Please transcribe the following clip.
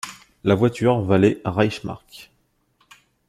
La voiture valait Reichsmark.